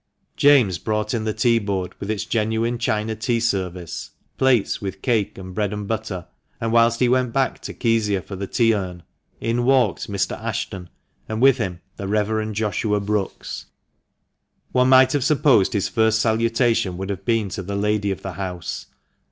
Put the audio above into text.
James brought in the tea board, with its genuine China tea service, plates with cake and bread and butter, and whilst he went back to Kezia for the tea urn, in walked Mr. Ashton, and with him the Reverend Joshua Brookes. THE MANCHESTER MAN. 203 One might have supposed his first salutation would have been to the lady of the house.